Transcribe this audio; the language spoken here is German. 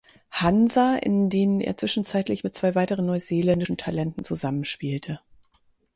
Hansa, in denen er zwischenzeitlich mit zwei weiteren neuseeländischen Talenten zusammenspielte.